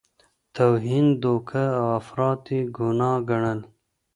توهین، دوکه او افراط یې ګناه ګڼل.